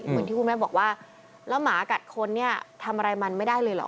เหมือนที่คุณแม่บอกว่าแล้วหมากัดคนเนี่ยทำอะไรมันไม่ได้เลยเหรอ